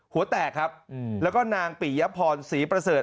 หัวแตกครับแล้วก็นางปิยพรศรีประเสริฐ